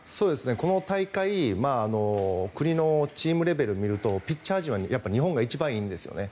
この大会国のチームレベルを見るとピッチャー陣は日本が一番いいんですね。